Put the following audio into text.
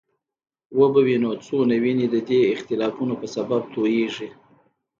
وبه وینو څومره وینې د دې اختلافونو په سبب تویېږي.